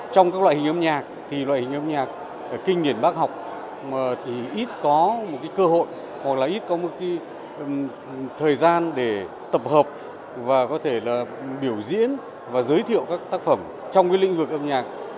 trong các loại hình âm nhạc loại hình âm nhạc kinh nghiệm bác học ít có cơ hội hoặc ít có thời gian để tập hợp và có thể biểu diễn và giới thiệu các tác phẩm trong lĩnh vực âm nhạc